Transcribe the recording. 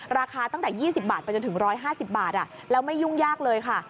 ราคาตั้งแต่๒๐บาทไปจนถึง๑๕๐บาทแล้วไม่ยุ่งยากเลยค่ะ